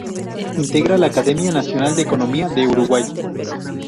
Integra la Academia Nacional de Economía de Uruguay.